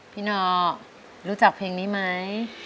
พี่นอร์รู้จักเพลงนี้ไหม